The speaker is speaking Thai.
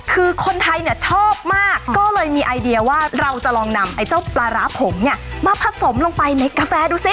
คือคนไทยเนี่ยชอบมากก็เลยมีไอเดียว่าเราจะลองนำไอ้เจ้าปลาร้าผงเนี่ยมาผสมลงไปในกาแฟดูสิ